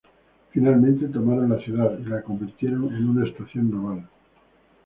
Finalmente, tomaron la ciudad y la convirtieron en una estación naval.